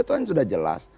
itu yang sudah jelas